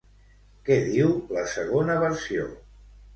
Què diu la segona versió?